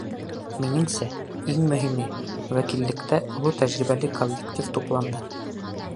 — Минеңсә, иң мөһиме — вәкиллектә оло тәжрибәле коллектив тупланды.